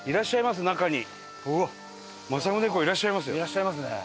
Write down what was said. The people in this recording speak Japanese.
いらっしゃいますね。